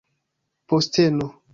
posteno